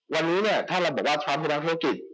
วันนี้เนี่ยท่านลำบอกว่าทรัมป์ผู้ดังธุรกิจ